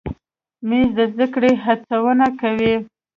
مېز د زده کړې هڅونه کوي.